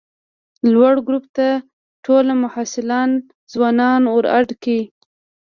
لوړ ګروپ ته ټوله محصلان ځانونه ور اډ کئ!